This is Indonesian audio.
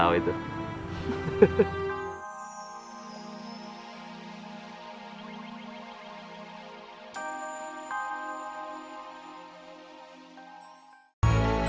aku udah tau itu